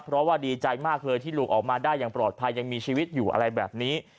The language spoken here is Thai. เพราะว่าดีใจมากเลยที่ลูกออกมาได้อย่างปลอดภัยยังมีชีวิตอยู่อะไรแบบนี้